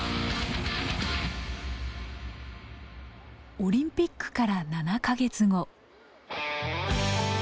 オリンピックから７か月後。